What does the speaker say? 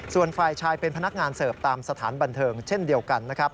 ส่วนฝ่ายชายเป็นพนักงานเสิร์ฟตามสถานบันเทิงเช่นเดียวกันนะครับ